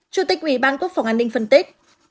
chủ tịch ủy ban quốc phòng an ninh phân tích